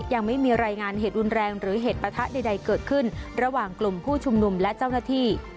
ยังไม่มีรายงานเหตุรุนแรงหรือเหตุประทะใดเกิดขึ้นระหว่างกลุ่มผู้ชุมนุมและเจ้าหน้าที่